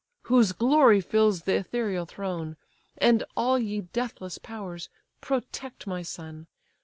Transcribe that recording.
whose glory fills the ethereal throne, And all ye deathless powers! protect my son!